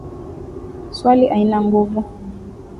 Swahili aina nguvu